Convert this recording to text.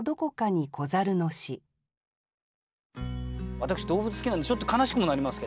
私動物好きなんでちょっと悲しくもなりますけど。